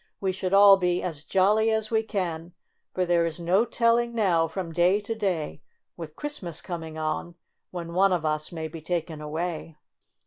"We should all be as jolly as we can, for there is no tell ing now, from day to day, with Christmas coming on, when one of us may be taken away."